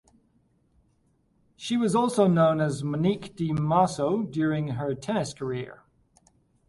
She was also known as Monique Di Maso during her tennis career.